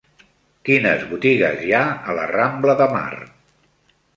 Quines botigues hi ha a la rambla de Mar?